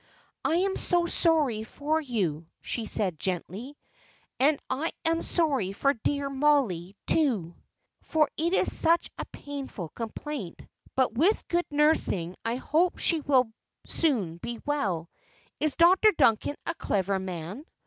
"I am so sorry for you," she said, gently; "and I am sorry for dear Mollie, too, for it is such a painful complaint. But with good nursing I hope she will soon be well. Is Dr. Duncan a clever man?"